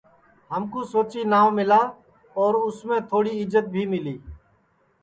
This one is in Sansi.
ہمکو سوچی ناو ملا اور اُس میں تھوڑی عزت بھی ملی